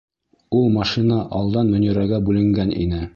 Ул машина алдан Мөнирәгә бүленгән ине!